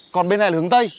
còn bên này là hướng tây